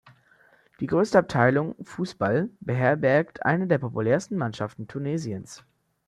Die größte Abteilung, Fußball, beherbergt eine der populärsten Mannschaften Tunesiens.